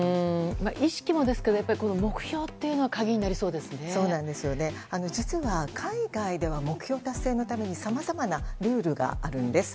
意識もですが目標っていうのが実は、海外では目標達成のためにさまざまなルールがあるんです。